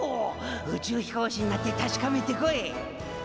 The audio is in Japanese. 宇宙飛行士になって確かめてこい！